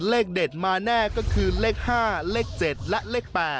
เลขเด็ดมาแน่ก็คือเลข๕เลข๗และเลข๘